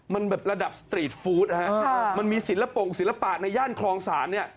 มันแบบระดับสตรีทฟู้ดนะฮะมันมีศิลปงศิลปะในย่านคลองศาลเนี่ย